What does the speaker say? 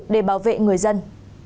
để bảo vệ người dân